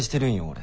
俺。